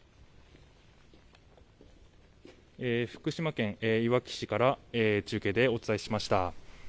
福島県いわき市から中継でお伝えしました。